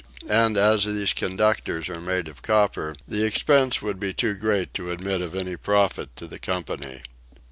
And as these conductors are made of copper the expense would be too great to admit of any profit to the company.